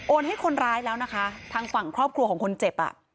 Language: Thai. ให้คนร้ายแล้วนะคะทางฝั่งครอบครัวของคนเจ็บอ่ะ